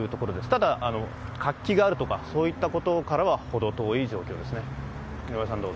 ただ、活気があるとかそういったことからはほど遠い状況ですね。